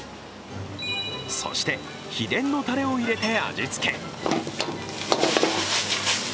そして、秘伝のたれを入れて味付け。